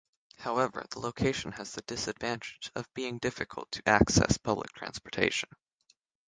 However, the location has the disadvantage of being difficult to access public transportation.